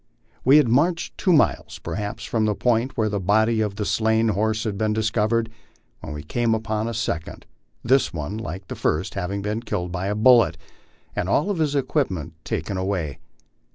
We had marched two miles perhaps from the point where the body of the slain horse had been discovered, when we came upon a second, this one, like the first, having been killed by a bullet, and all of his equipments taken away.